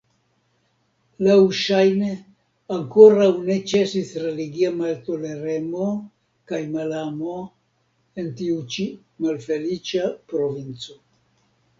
Laŭŝajne ankoraŭ ne ĉesis religia maltoleremo kaj malamo en tiu ĉi malfeliĉa provinco.